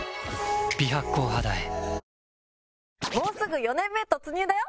もうすぐ４年目突入だよ